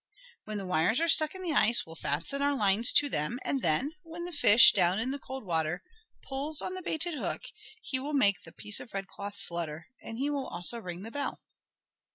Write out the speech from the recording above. "When the wires are stuck in the ice we'll fasten our lines to them, and then, when the fish, down in the cold water, pulls on the baited hook he will make the piece of red cloth flutter, and he will also ring the bell."